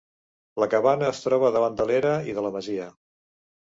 La cabana es troba davant de l'era i de la masia.